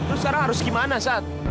lo sekarang harus gimana sat